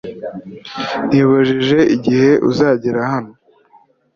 nibajije igihe uzagera hano